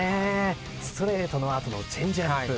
ストレートの後のチェンジアップ。